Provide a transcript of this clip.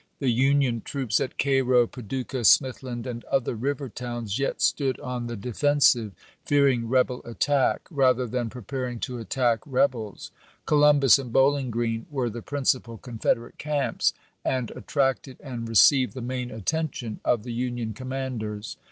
The Union troops at Cairo, Paducah, Smithland, and other river towns yet stood on the defensive, fearing rebel attack, rather than preparing to attack rebels. Columbus and Bowling Grreen were the principal Confederate camps, and attracted and received the main attention of the Union commanders.